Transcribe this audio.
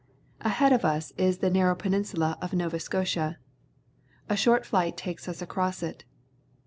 Ahead of us is the narrow peninsula of Nova Scoiia. A short flight takes us across it.